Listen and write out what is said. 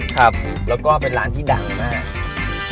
ครับแล้วก็เป็นร้านที่ดังมาก